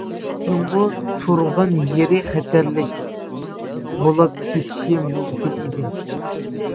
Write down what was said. ئىتنىڭمۇ تۇرغان يېرى خەتەرلىك، غۇلاپ كېتىشى مۇمكىن ئىدى.